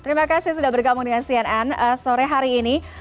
terima kasih sudah bergabung dengan cnn sore hari ini